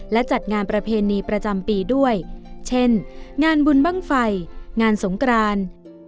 และจัดงานประเพณีประจำปีด้วยเช่นงานบุญบ้างไฟงานสงกราน